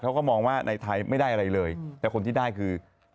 เขาก็มองว่าในไทยไม่ได้อะไรเลยแต่คนที่ได้คือ